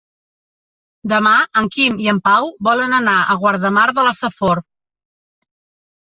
Demà en Quim i en Pau volen anar a Guardamar de la Safor.